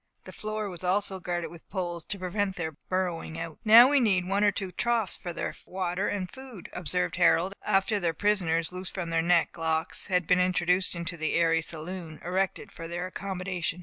The floor was also guarded with poles, to prevent their burrowing out. "Now we need one or two troughs for their water and food," observed Harold, after the prisoners, loosed from their neck locks, had been introduced into the airy saloon erected for their accommodation.